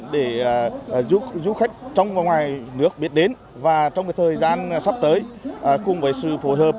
để giúp du khách trong và ngoài nước biết đến và trong thời gian sắp tới cùng với sự phối hợp